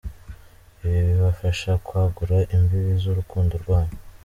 Ibi bibafasha kwagura imbibi z’ urukundo rwanyu.